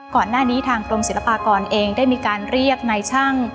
ก่อนหน้านี้ทางกรมศิลปากรเองได้มีการเรียกนายช่าง